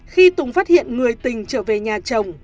khi tùng phát hiện người tình trở về nhà chồng